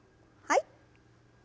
はい。